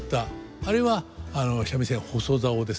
あれは三味線細棹ですね。